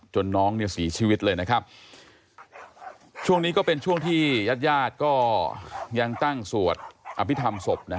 จนน้องสีชีวิตเลยนะครับช่วงนี้ก็เป็นช่วงที่ยาดก็ยังตั้งสวดอภิธรรมศพ